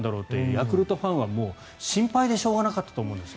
ヤクルトファンは心配でしょうがなかったと思うんです。